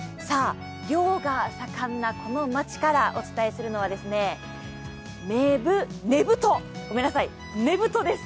漁が盛んなこの町からお伝えするのは、ねぶと、です。